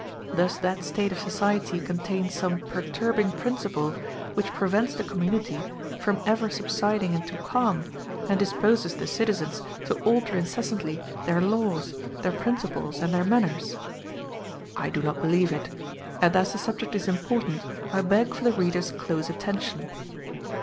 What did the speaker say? does that state of society contain some perturbing principle which prevents the community from ever subsiding into calm, and disposes the citizens to alter incessantly their laws, their principles, and their manners? I do not believe it; and as the subject is important, I beg for the reader's close attention.